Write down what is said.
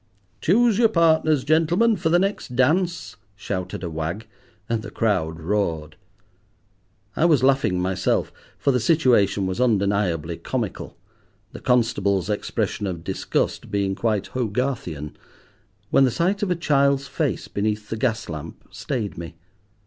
"Choose your partners, gentlemen, for the next dance," shouted a wag, and the crowd roared. I was laughing myself, for the situation was undeniably comical, the constable's expression of disgust being quite Hogarthian, when the sight of a child's face beneath the gas lamp stayed me.